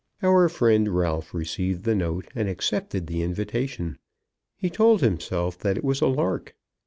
Our friend Ralph received the note, and accepted the invitation. He told himself that it was a lark.